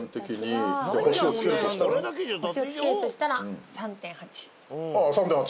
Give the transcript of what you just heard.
星をつけるとしたらああ３．８。